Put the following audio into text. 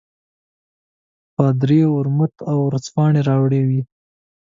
پادري ورموت او ورځپاڼې راوړې وې.